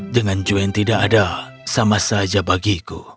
dengan juan tidak ada sama saja bagiku